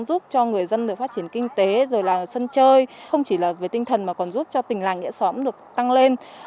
giúp cho người dân phát triển kinh tế rồi là sân chơi không chỉ là về tinh thần mà còn giúp cho tình làng nghĩa xóm được tăng lên